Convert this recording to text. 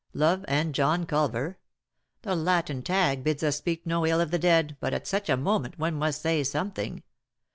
Love and John Culver I The Latin tag bids us speak no ill of the dead, but at such a moment one must say something.